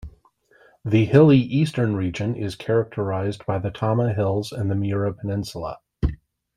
The hilly eastern region is characterized by the Tama Hills and Miura Peninsula.